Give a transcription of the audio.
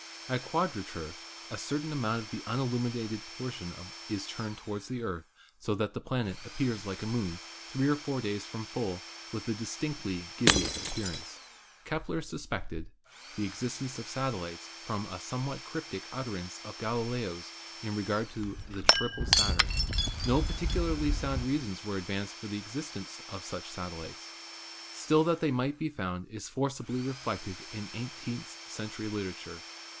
At quadrature a certain amount of the unilluminated portion is turned toward the Earth so that the planet appears like a Moon three or four days from full, with a distinctly gibbous appearance. Kepler suspected the existence of satellites from a some what cryptic utterance of Galileo's in regard to the triple Saturn. No particularly sound reasons were advanced for 182 ASTRONOMY the existence of such satellites. Still that they might be found is forcibly reflected in eighteenth century literature.